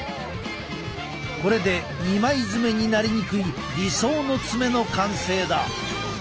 これで二枚爪になりにくい理想の爪の完成だ。